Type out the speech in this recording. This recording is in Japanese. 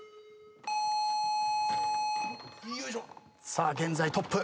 さあ現在トップ。